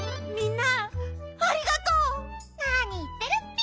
なにいってるッピ。